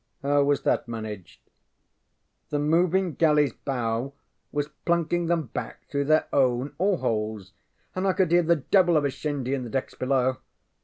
ŌĆØ ŌĆ£How was that managed? ŌĆØ ŌĆ£The moving galleyŌĆÖs bow was plunking them back through their own oarholes, and I could hear the devil of a shindy in the decks below.